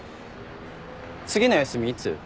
次の休みいつ？